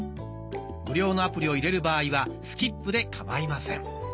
無料のアプリを入れる場合は「スキップ」でかまいません。